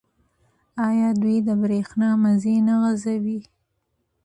آیا دوی د بریښنا مزي نه غځوي؟